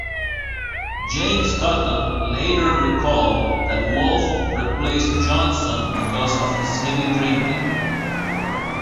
James Cotton later recalled that Wolf replaced Johnson because of his heavy drinking.